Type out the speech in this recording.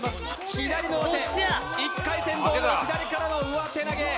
左の上手１回戦同様左からの上手投げ